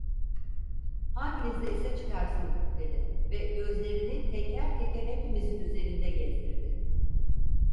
Hanginizde ise çıkarsın! dedi ve gözlerini teker teker hepimizin üzerinde gezdirdi.